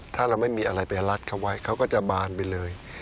ถ้าเราไม่มีอะไรไปรัดเขาไว้เขาก็จะบานไปเลย